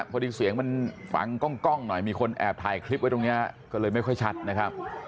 พอดีเสียงมันฟังกล้องหน่อยมีคนแอบถ่ายคลิปไว้ตรงนี้ก็เลยไม่ค่อยชัดนะครับ